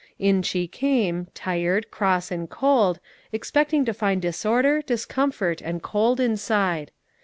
In she came, tired, cross, and cold, expecting to find disorder, discomfort, and cold inside.